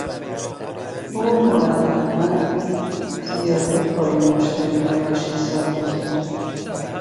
او مرتبا زیادی پای مشتریهایش حساب میکرد.